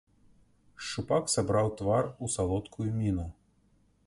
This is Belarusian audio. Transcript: Шчупак сабраў твар у салодкую міну.